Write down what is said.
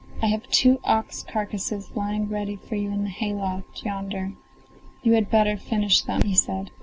I have two ox carcases lying ready for you in the hay loft yonder; you had better finish them," he said.